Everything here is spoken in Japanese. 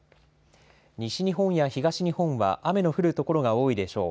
西日本や東日本は雨の降る所が多いでしょう。